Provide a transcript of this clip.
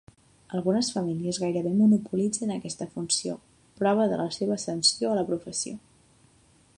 Algunes famílies gairebé monopolitzen aquesta funció, prova de la seva ascensió a la professió.